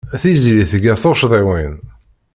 Tiziri tga tuccḍiwin.